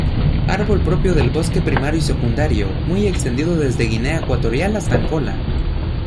Árbol propio del bosque primario y secundario; muy extendido desde Guinea Ecuatorial hasta Angola.